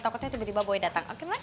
takutnya tiba tiba boy datang oke mas